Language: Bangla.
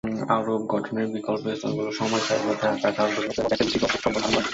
আরব গঠনের বিকল্প স্তরগুলি সময়ের সাথে সাথে আকার ধারণ করে এবং তেল এবং গ্যাসের বিস্তৃত সম্পদ ধারণ করে।